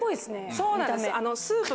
そうなんです。